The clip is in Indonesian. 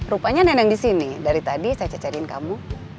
rupanya neneng di sini dari tadi saya cecerin kamu